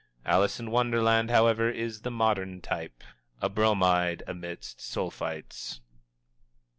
Alice in Wonderland, however, is the modern type a Bromide amidst Sulphites.